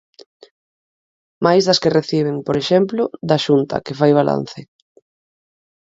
Máis das que reciben, por exemplo, da Xunta, que fai balance.